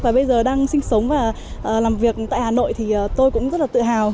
và bây giờ đang sinh sống và làm việc tại hà nội thì tôi cũng rất là tự hào